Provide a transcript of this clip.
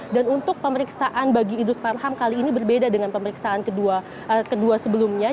dan untuk pemeriksaan bagi idrus marham kali ini berbeda dengan pemeriksaan kedua sebelumnya